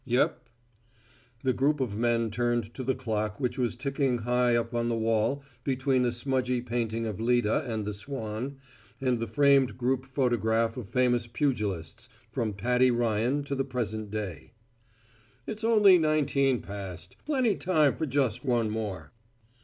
"Yep." The group of men turned to the clock which was ticking high up on the wall between the smudgy painting of Leda and The Swan and the framed group photograph of famous pugilists from Paddy Ryan to the present day. "It's only nineteen past; plenty time for just one more."